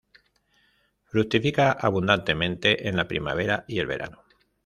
Fructifica abundantemente en la primavera y el verano.